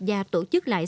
và tổ chức lại